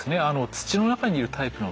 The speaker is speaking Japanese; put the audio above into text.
土の中にいるタイプのミミズ